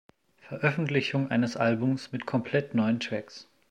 Veröffentlichung eines Albums mit komplett neuen Tracks.